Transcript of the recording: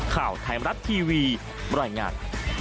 ข่าวไทยมรัฐทีวีบรรยายงาน